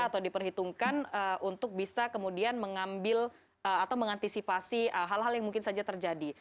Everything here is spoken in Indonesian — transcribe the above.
atau diperhitungkan untuk bisa kemudian mengambil atau mengantisipasi hal hal yang mungkin saja terjadi